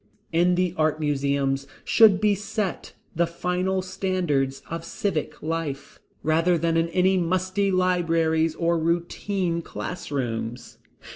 In the art museums should be set the final standards of civic life, rather than in any musty libraries or routine classrooms.